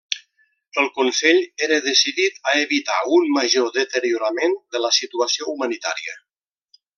El Consell era decidit a evitar un major deteriorament de la situació humanitària.